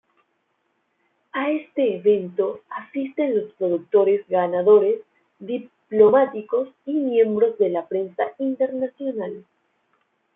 A este evento asisten los productores ganadores, diplomáticos, y miembros de la prensa internacional.